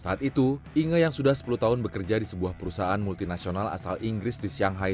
saat itu inge yang sudah sepuluh tahun bekerja di sebuah perusahaan multinasional asal inggris di shanghai